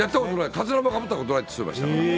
かつらもかぶったことないって言ってましたよ。